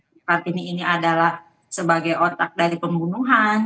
kartini ini adalah sebagai otak dari pembunuhan